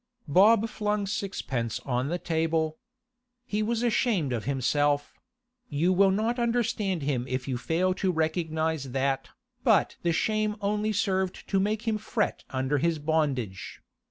Bob flung sixpence on the table. He was ashamed of himself—you will not understand him if you fail to recognise that—but the shame only served to make him fret under his bondage.